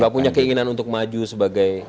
gak punya keinginan untuk maju sebagai